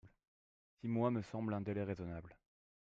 Six mois me semblent un délai raisonnable.